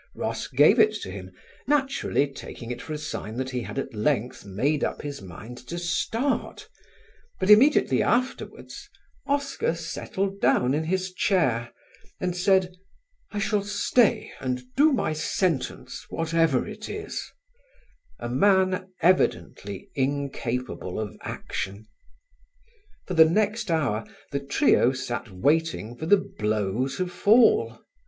Ross gave it to him, naturally taking it for a sign that he had at length made up his mind to start, but immediately afterwards Oscar settled down in his chair and said, "I shall stay and do my sentence whatever it is" a man evidently incapable of action. For the next hour the trio sat waiting for the blow to fall.